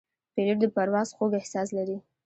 پیلوټ د پرواز خوږ احساس لري.